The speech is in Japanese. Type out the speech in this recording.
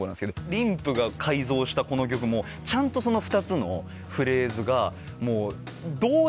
リンプが改造したこの曲もちゃんとその２つのフレーズが。